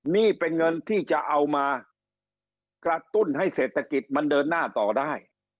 นี่เป็นเงินที่จะเอามากระตุ้นให้เศรษฐกิจมันเดินหน้าต่อได้